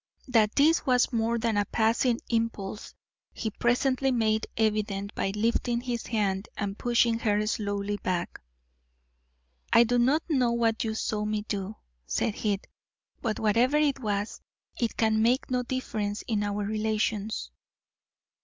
That this was more than a passing impulse he presently made evident by lifting his hand and pushing her slowly back. "I do not know what you saw me do," said he; "but whatever it was, it can make no difference in our relations."